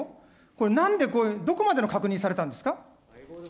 これなんで、どこまでの確認されたんですか。